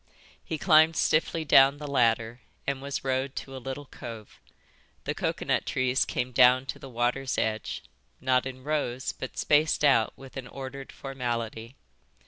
He climbed stiffly down the ladder and was rowed to a little cove. The coconut trees came down to the water's edge, not in rows, but spaced out with an ordered formality.